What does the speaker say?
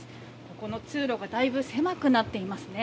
ここの通路がだいぶ狭くなっていますね。